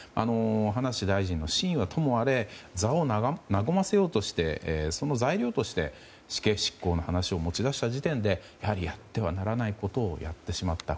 葉梨大臣の真意はともあれ座を和ませようとしてその材料として死刑執行の話を持ち出した時点でやはり、やってはならないことをやってしまった。